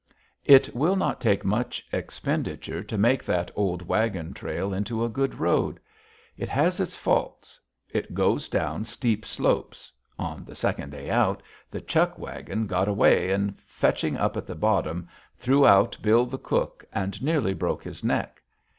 It will not take much expenditure to make that old wagon trail into a good road. It has its faults. It goes down steep slopes on the second day out, the chuck wagon got away, and, fetching up at the bottom, threw out Bill the cook and nearly broke his neck.